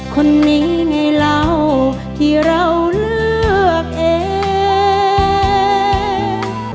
คนนี้ในเราที่เราเลือกเอง